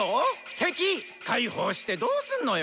敵解放してどーすんのよ。